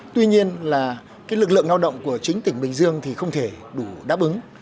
tuy nhiên là lực lượng lao động của chính tỉnh bình dương thì không thể đủ đáp ứng